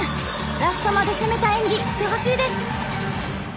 ラストまで攻めた演技をしてほしいです。